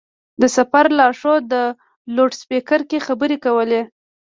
د سفر لارښود په لوډسپېکر کې خبرې کولې.